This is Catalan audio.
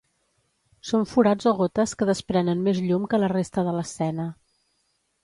Són forats o gotes que desprenen més llum que la resta de l'escena.